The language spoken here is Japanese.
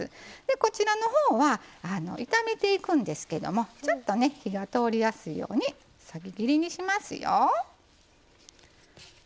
こちらのほうは炒めていくんですけどもちょっとね火が通りやすいようにそぎ切りにしますよ。